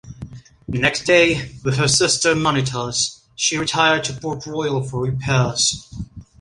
The next day, with her sister monitors, she retired to Port Royal for repairs.